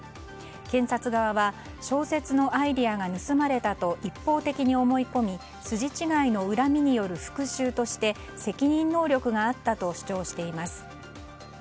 検察側は、小説のアイデアが盗まれたと一方的に思い込み筋違いの恨みによる復讐として責任能力があったと主張しています。